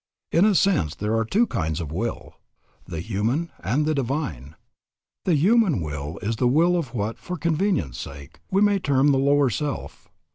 In a sense there are two kinds of will, the human and the divine. The human will is the will of what, for convenience' sake, we may term the lower self.